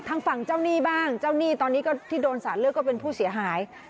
ทางฝั่งเจ้าหนี้บ้างเจ้าหนี้ตอนนี้ก็ที่โดนสารเลือกก็เป็นผู้เสียหาย